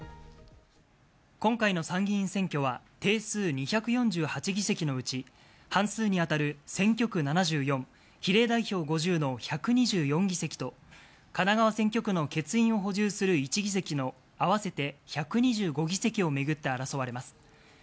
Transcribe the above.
今回の参議院選挙は定数２４８議席のうち、半数に当たる選挙区７４、比例代表５０の１２４議席と神奈川選挙区の欠員を補充する１議席の合わせて１２５議席をめぐって争われます。